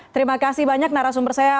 terima kasih banyak narasumber saya